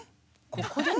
ここで？